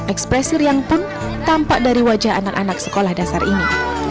ekspresi riang pun tampak dari wajah anak anak sekolah dasar ini